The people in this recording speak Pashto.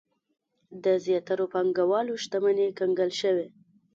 د زیاترو پانګوالو شتمنۍ کنګل شوې.